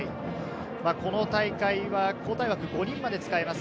この大会は交代枠５人まで使えます。